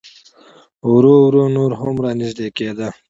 ورو ورو نور هم را نږدې کېده.